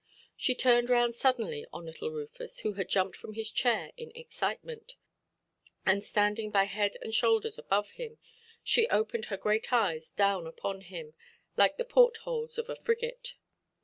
She turned round suddenly on little Rufus, who had jumped from his chair in excitement, and standing by head and shoulders above him, she opened her great eyes down upon him, like the port–holes of a frigate.